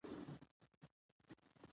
چنګلونه د افغانستان د بڼوالۍ برخه ده.